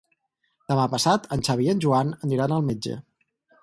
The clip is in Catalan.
Demà passat en Xavi i en Joan aniran al metge.